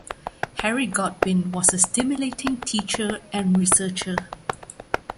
Harry Godwin was a stimulating teacher and researcher.